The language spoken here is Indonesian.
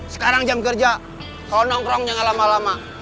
sekarang jam kerja kalau nongkrong jangan lama lama